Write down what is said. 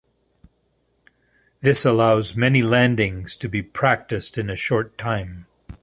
This allows many landings to be practiced in a short time.